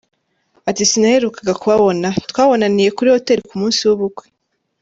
Ati “Sinaherukaga kubabona, twabonaniye kuri Hotel ku munsi w’ubukwe.